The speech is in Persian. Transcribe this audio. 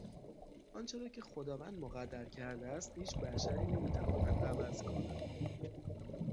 آنچه را که خداوند مقدر کرده است هیچ بشری نمیتواند عوض کند.